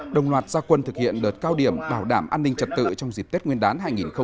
đồng loạt gia quân thực hiện đợt cao điểm bảo đảm an ninh trật tự trong dịp tết nguyên đán hai nghìn hai mươi